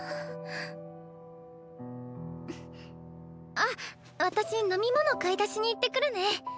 あっ私飲み物買い出しに行ってくるね。